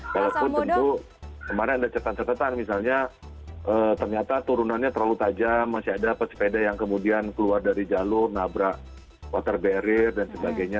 walaupun tentu kemarin ada catatan catatan misalnya ternyata turunannya terlalu tajam masih ada pesepeda yang kemudian keluar dari jalur nabrak water barrier dan sebagainya